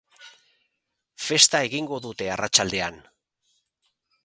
Festa egingo dute arratsaldean.